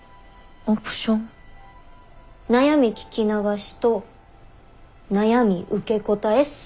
「悩み聞き流し」と「悩み受け答え」っす。